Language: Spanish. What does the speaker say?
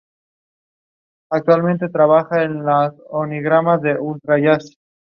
El "skiff" o "single", es el bote individual.